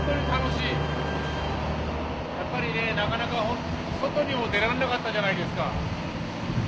やっぱりなかなか外にも出られなかったじゃないですか。